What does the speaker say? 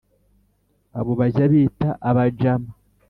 abo bajya bita abajama